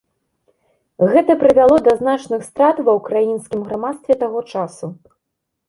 Гэта прывяло да значных страт ва ўкраінскім грамадстве таго часу.